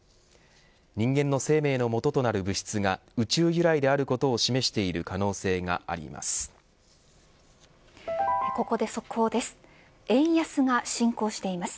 人間の生命のもととなる物質が宇宙由来であることを示している可能性があります。